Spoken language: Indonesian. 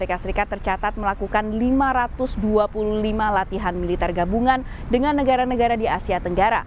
amerika serikat tercatat melakukan lima ratus dua puluh lima latihan militer gabungan dengan negara negara di asia tenggara